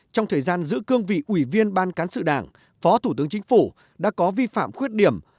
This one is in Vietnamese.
trong thời gian giữ cương vị ủy viên ban cán sự đảng phó thủ tướng chính phủ đã có vi phạm khuyết điểm